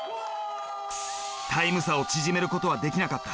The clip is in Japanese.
タイム差を縮めることはできなかった。